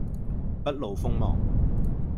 不露鋒芒